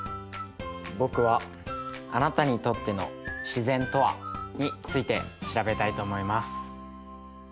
僕は「あなたにとっての自然とは？」について調べたいと思います。